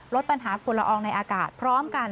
ลดปัญหาฝุ่นละอองในอากาศพร้อมกัน